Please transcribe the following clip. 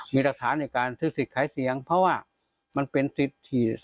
มีหลักฐานในการซื้อสิทธิ์ขายเสียงเพราะว่ามันเป็นสิทธิ